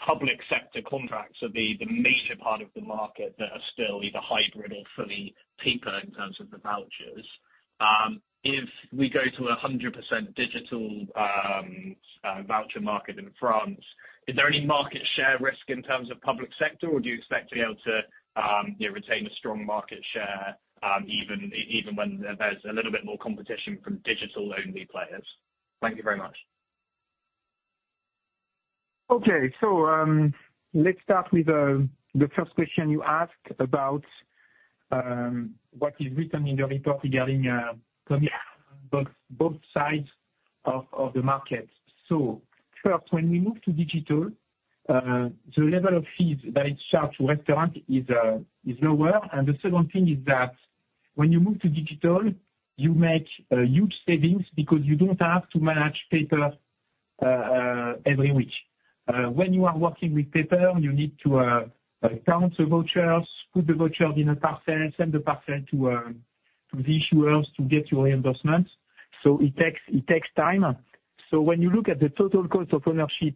public sector contracts are the major part of the market that are still either hybrid or fully paper in terms of the vouchers. If we go to 100% digital voucher market in France, is there any market share risk in terms of public sector, or do you expect to be able to, you know, retain a strong market share, even when there's a little bit more competition from digital-only players? Thank you very much. Okay. So, let's start with the first question you asked about what is written in the report regarding both sides of the market. So first, when we move to digital, the level of fees that is charged to restaurant is lower. And the second thing is that when you move to digital, you make huge savings because you don't have to manage paper every week. When you are working with paper, you need to count the vouchers, put the voucher in a parcel, send the parcel to the issuers to get your reimbursement. So it takes time. So when you look at the total cost of ownership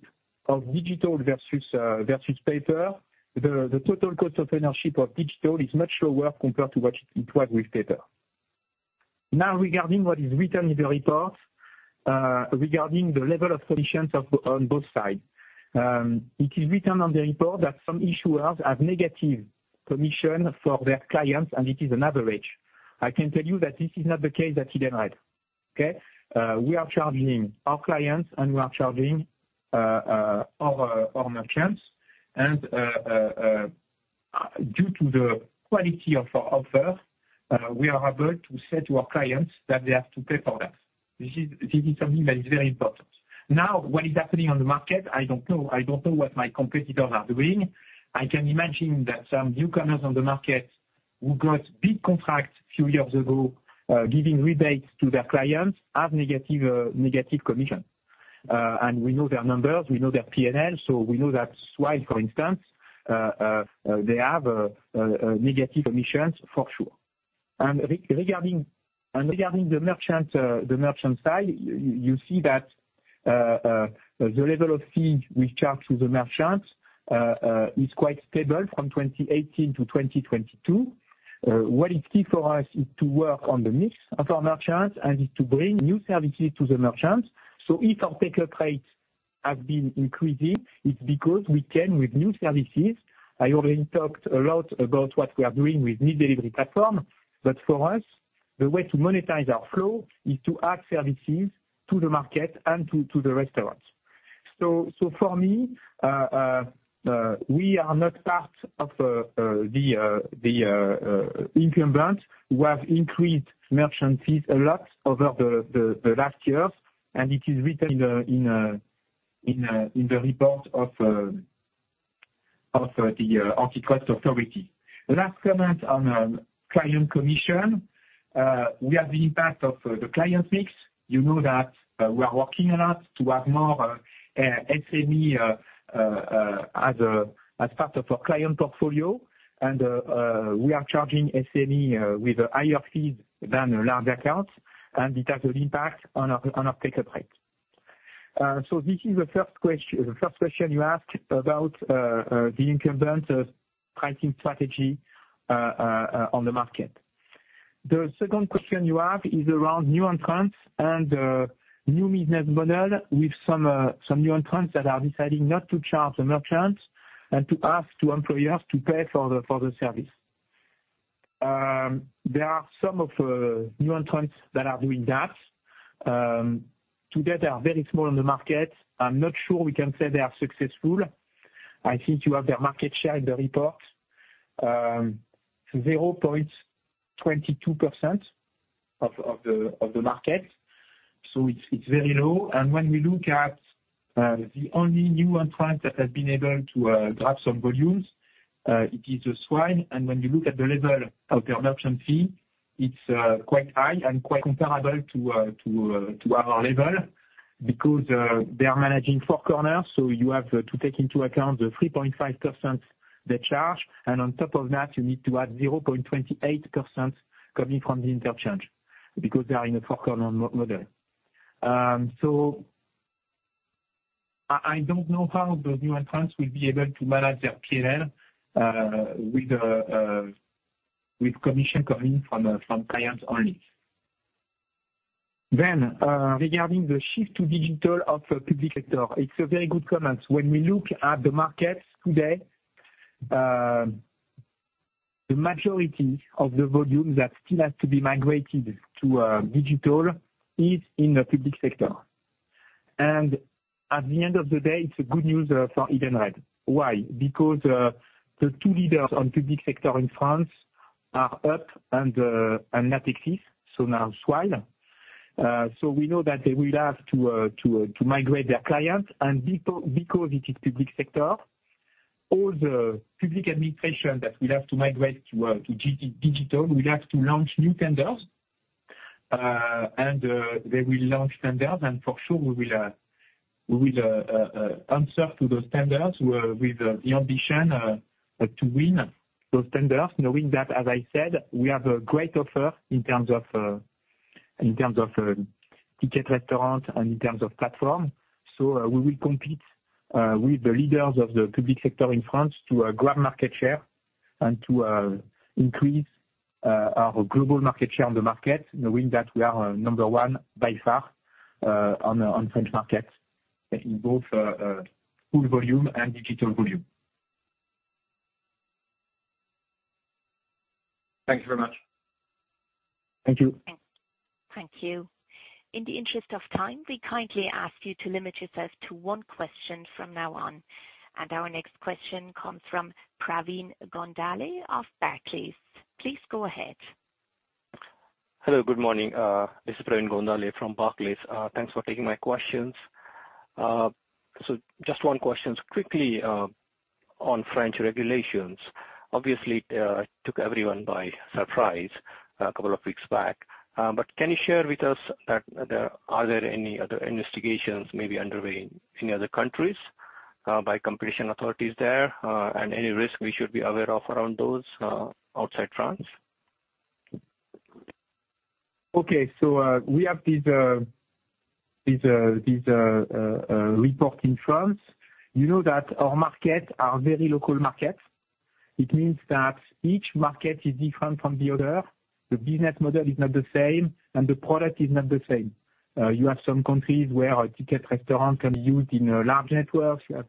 of digital versus paper, the total cost of ownership of digital is much lower compared to what it was with paper. Now, regarding what is written in the report, regarding the level of commissions of, on both sides. It is written on the report that some issuers have negative commission for their clients, and it is an average. I can tell you that this is not the case at Kadéos, okay? We are charging our clients, and we are charging, our, our merchants. And, due to the quality of our offer, we are able to say to our clients that they have to pay for that. This is, this is something that is very important. Now, what is happening on the market, I don't know. I don't know what my competitors are doing. I can imagine that some newcomers on the market who got big contracts few years ago, giving rebates to their clients, have negative, negative commission. We know their numbers, we know their P&L, so we know that's why, for instance, they have negative commissions, for sure. Regarding the merchant side, you see that the level of fees we charge to the merchants is quite stable from 2018 to 2022. What is key for us is to work on the mix of our merchants and is to bring new services to the merchants. So if our pickup rate have been increasing, it's because we came with new services. I already talked a lot about what we are doing with meal delivery platform, but for us, the way to monetize our flow is to add services to the market and to the restaurants. So for me, we are not part of the incumbent who have increased merchant fees a lot over the last years, and it is written in the report of the antitrust authority. Last comment on client commission, we have the impact of the client mix. You know that we are working a lot to have more SME as part of our client portfolio, and we are charging SME with higher fees than large accounts, and it has an impact on our ticket rate. So this is the first question you asked about the incumbent pricing strategy on the market. The second question you have is around new entrants and new business model with some new entrants that are deciding not to charge the merchants, and to ask employers to pay for the service. There are some new entrants that are doing that. Today, they are very small on the market. I'm not sure we can say they are successful. I think you have their market share in the report. 0.22% of the market, so it's very low. When we look at the only new entrant that has been able to grab some volumes, it is the Swile. When you look at the level of their merchant fee, it's quite high and quite comparable to our level because they are managing four corners. So you have to take into account the 3.5% they charge, and on top of that, you need to add 0.28% coming from the interchange, because they are in a four-corner model. So I don't know how the new entrants will be able to manage their PNL with commission coming from clients only. Then, regarding the shift to digital of the public sector, it's a very good comment. When we look at the market today, the majority of the volume that still has to be migrated to digital is in the public sector. At the end of the day, it's a good news for Edenred. Why? Because the two leaders in the public sector in France are out and do not exist, so now Swile. So we know that they will have to migrate their clients. Because it is public sector, all the public administration that will have to migrate to digital will have to launch new tenders. And they will launch tenders, and for sure, we will answer to those tenders with the ambition to win those tenders. Knowing that, as I said, we have a great offer in terms of Ticket Restaurant and in terms of platform. We will compete with the leaders of the public sector in France to grab market share and to increase our global market share on the market, knowing that we are number one by far on the French market, in both full volume and digital volume. Thank you very much. Thank you. Thank you. In the interest of time, we kindly ask you to limit yourselves to one question from now on. Our next question comes from Pratik Gondhale of Barclays. Please go ahead. Hello, good morning. This is Pratik Gondhale from Barclays. Thanks for taking my questions. So just one questions quickly, on French regulations. Obviously, it took everyone by surprise a couple of weeks back, but can you share with us, are there any other investigations maybe underway in other countries, by competition authorities there, and any risk we should be aware of around those, outside France? Okay. So, we have these reports in France. You know that our markets are very local markets. It means that each market is different from the other. The business model is not the same, and the product is not the same. You have some countries where our Ticket Restaurant can be used in large networks, you have,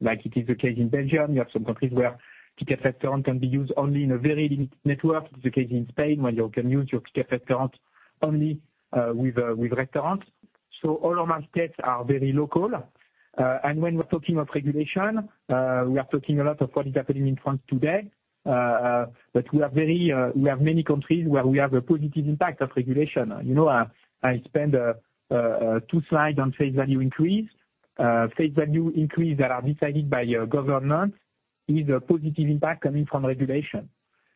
like it is the case in Belgium. You have some countries where Ticket Restaurant can be used only in a very limited network, the case in Spain, where you can use your Ticket Restaurant only with restaurants. So all our markets are very local. And when we're talking of regulation, we are talking a lot of what is happening in France today. But we are very, we have many countries where we have a positive impact of regulation. You know, I spent two slides on face value increase. Face value increase that are decided by your government is a positive impact coming from regulation.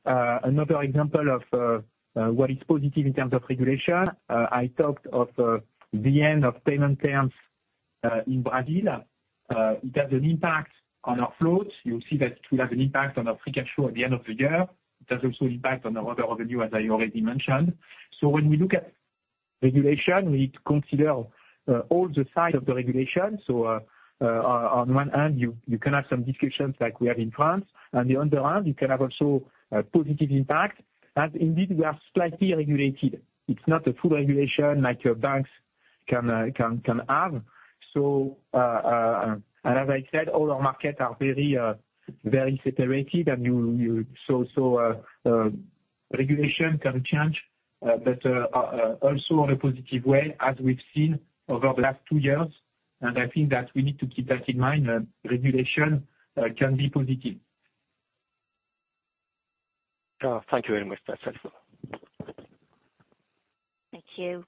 Another example of what is positive in terms of regulation, I talked of the end of payment terms in Brazil. It has an impact on our flows. You'll see that it will have an impact on our free cash flow at the end of the year. It has also impact on our other revenue, as I already mentioned. So when we look at regulation, we need to consider all the side of the regulation. So, on one hand, you can have some discussions like we have in France, and the other hand, you can have also a positive impact. And indeed, we are slightly regulated. It's not a full regulation like banks can have. So, and as I said, all our markets are very separated, and regulation can change, but also on a positive way, as we've seen over the last two years, and I think that we need to keep that in mind, that regulation can be positive. Thank you very much. That's helpful. Thank you.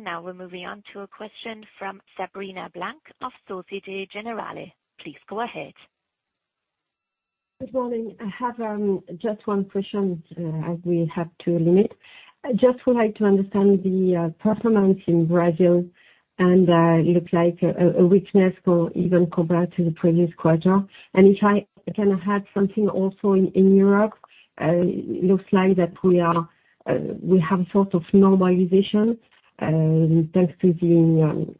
Now we're moving on to a question from Sabrina Blanc of Société Générale. Please go ahead. Good morning. I have just one question as we have to limit. I just would like to understand the performance in Brazil, and it looks like a weakness for Edenred compared to the previous quarter. And if I can add something also in Europe, it looks like that we have sort of normalization thanks to the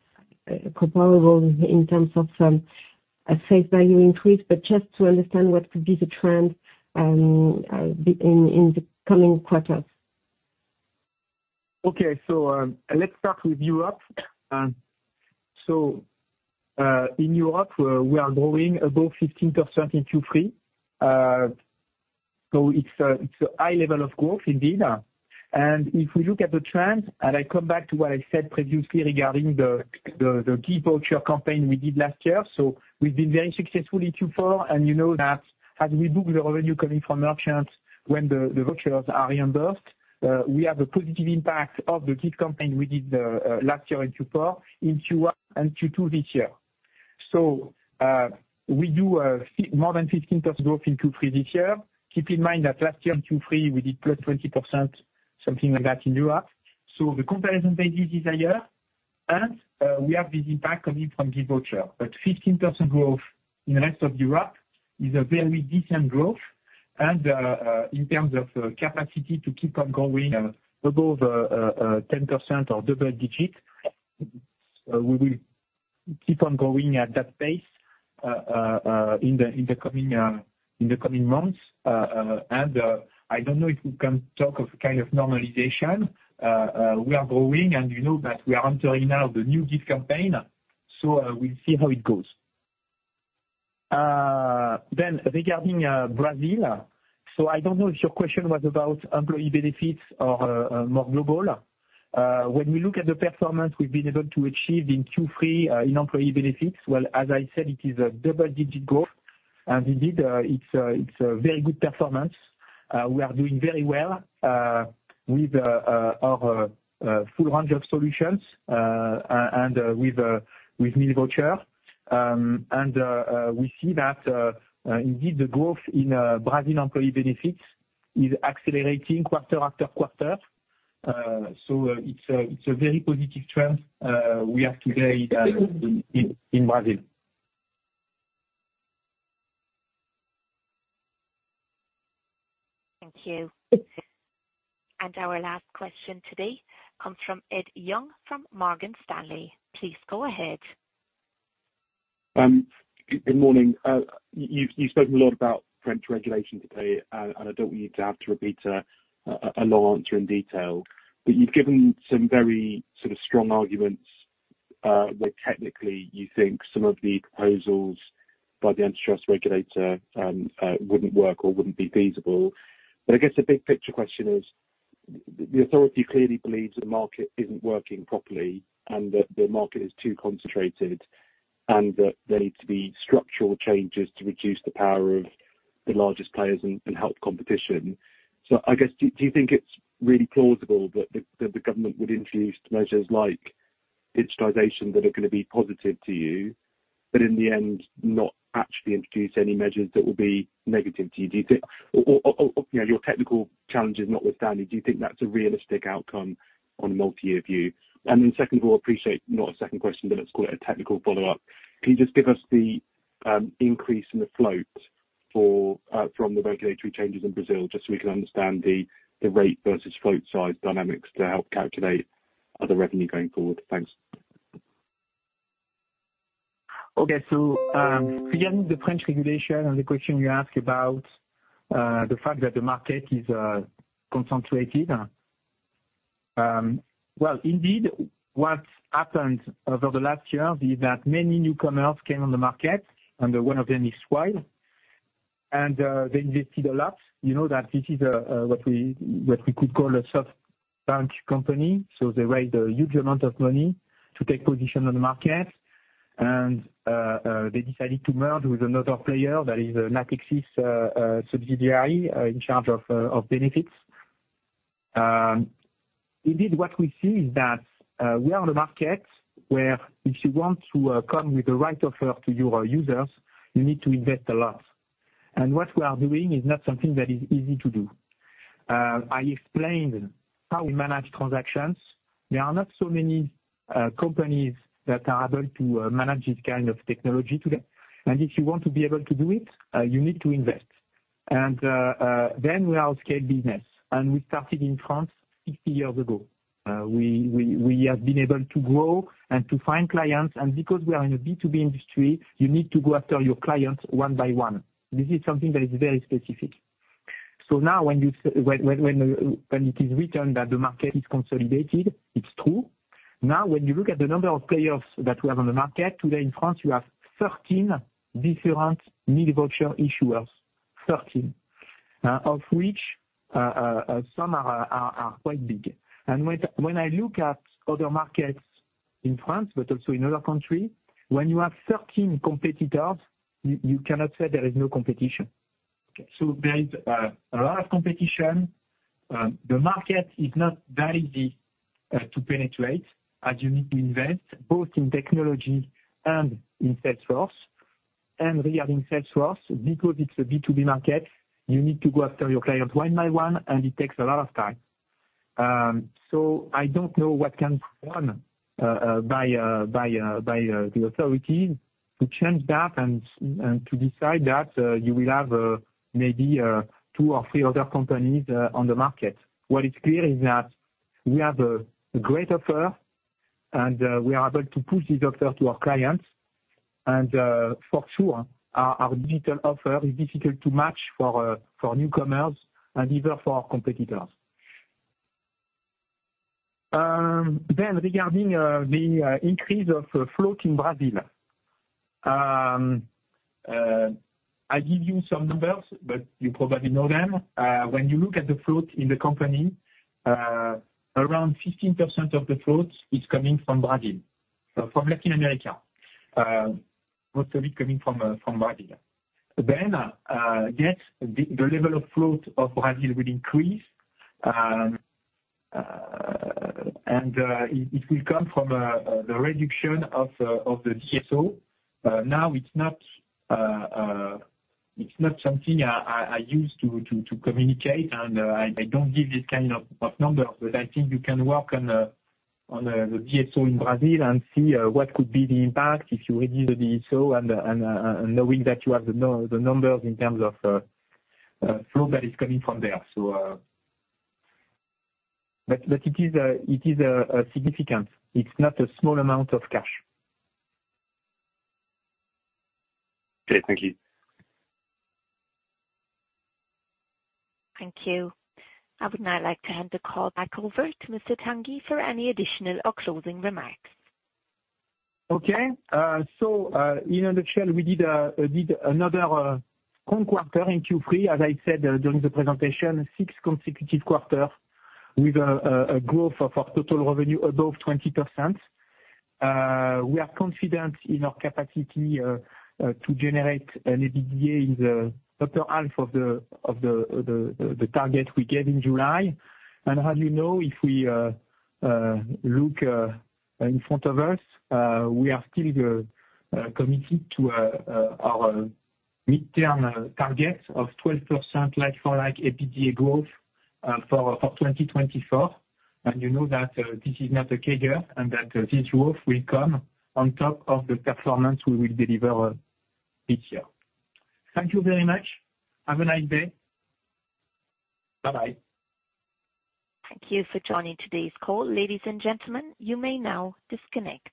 comparable in terms of a face value increase, but just to understand what could be the trend in the coming quarters. Okay. So, let's start with Europe. In Europe, we are growing above 15% in Q3. So it's a high level of growth indeed. And if we look at the trends, and I come back to what I said previously regarding the gift voucher campaign we did last year, so we've been very successful in Q4. And you know that as we book the revenue coming from merchants when the vouchers are reimbursed, we have a positive impact of the gift campaign we did last year in Q4, in Q1 and Q2 this year. So we do more than 15% growth in Q3 this year. Keep in mind that last year in Q3, we did +20%, something like that, in Europe. So the comparison basis is higher, and we have the impact coming from gift voucher. But 15% growth in the rest of Europe is a very decent growth, and in terms of capacity to keep on going above 10% or double digits, we will keep on going at that pace in the coming months. And I don't know if we can talk of kind of normalization. We are growing, and you know that we are entering now the new gift campaign, so we'll see how it goes. Then regarding Brazil, so I don't know if your question was about employee benefits or more global. When we look at the performance we've been able to achieve in Q3, in employee benefits, well, as I said, it is a double-digit growth, and indeed, it's a very good performance. We are doing very well with our full range of solutions, and with meal voucher. We see that, indeed, the growth in Brazil employee benefits is accelerating quarter after quarter. So, it's a very positive trend, we have today in Brazil. Thank you. Our last question today comes from Ed Young, from Morgan Stanley. Please go ahead. Good morning. You've spoken a lot about French regulation today, and I don't want you to have to repeat a long answer in detail. But you've given some very sort of strong arguments that technically you think some of the proposals by the antitrust regulator wouldn't work or wouldn't be feasible. But I guess the big-picture question is, the authority clearly believes that the market isn't working properly and that the market is too concentrated, and that there need to be structural changes to reduce the power of the largest players and help competition. So I guess, do you think it's really plausible that the government would introduce measures like digitization, that are gonna be positive to you, but in the end, not actually introduce any measures that will be negative to you? Do you think... You know, your technical challenges notwithstanding, do you think that's a realistic outcome on a multi-year view? And then secondly, I'll appreciate, not a second question, but let's call it a technical follow-up. Can you just give us the increase in the float from the regulatory changes in Brazil, just so we can understand the rate versus float size dynamics to help calculate other revenue going forward? Thanks. Okay. So, again, the French regulation and the question you ask about the fact that the market is concentrated. Well, indeed, what's happened over the last year is that many newcomers came on the market, and one of them is Swile, and they invested a lot. You know that this is what we could call a SoftBank company, so they raised a huge amount of money to take position on the market, and they decided to merge with another player that is a Natixis subsidiary in charge of benefits. Indeed, what we see is that we are on a market where if you want to come with the right offer to your users, you need to invest a lot. And what we are doing is not something that is easy to do. I explained how we manage transactions. There are not so many companies that are able to manage this kind of technology today, and if you want to be able to do it, you need to invest. And then we are a scale business, and we started in France 50 years ago. We have been able to grow and to find clients, and because we are in a B2B industry, you need to go after your clients one by one. This is something that is very specific. So now when it is written that the market is consolidated, it's true. Now, when you look at the number of players that we have on the market, today in France, you have 13 different meal voucher issuers, 13. Of which, some are quite big. And when I look at other markets in France, but also in other countries, when you have 13 competitors, you cannot say there is no competition. Okay, so there is a lot of competition. The market is not that easy to penetrate, as you need to invest both in technology and in sales force. And regarding sales force, because it's a B2B market, you need to go after your clients one by one, and it takes a lot of time. So I don't know what can be done by the authority to change that, and to decide that you will have maybe two or three other companies on the market. What is clear is that we have a great offer, and we are able to push this offer to our clients. For sure, our digital offer is difficult to match for newcomers and even for our competitors. Then regarding the increase of float in Brazil. I give you some numbers, but you probably know them. When you look at the float in the company, around 15% of the float is coming from Brazil, from Latin America, most of it coming from Brazil. Yes, the level of float of Brazil will increase. It will come from the reduction of the DSO. Now it's not something I use to communicate, and I don't give this kind of numbers, but I think you can work on the DSO in Brazil and see what could be the impact if you reduce the DSO and knowing that you have the numbers in terms of float that is coming from there. So... But it is a significant. It's not a small amount of cash. Okay, thank you. Thank you. I would now like to hand the call back over to Mr. Tanguy for any additional or closing remarks. Okay. So, in a nutshell, we did another strong quarter in Q3. As I said, during the presentation, six consecutive quarters with a growth of our total revenue above 20%. We are confident in our capacity to generate an EBITDA in the upper half of the target we gave in July. And as you know, if we look in front of us, we are still committed to our midterm targets of 12% like-for-like EBITDA growth for 2024. And you know that this is not a CAGR, and that this growth will come on top of the performance we will deliver this year. Thank you very much. Have a nice day. Bye-bye. Thank you for joining today's call. Ladies and gentlemen, you may now disconnect.